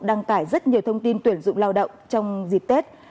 đăng tải rất nhiều thông tin tuyển dụng lao động trong dịp tết